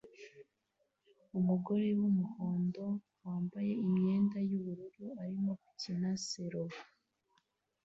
Umugore wumuhondo wambaye imyenda yubururu arimo gukina selo